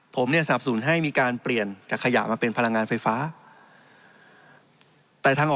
ผมสาบสูญให้มีการเปลี่ยนจากขยะมาเป็นพลังงานไฟฟ้า